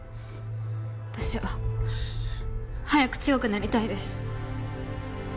私は早く強くなりたいです。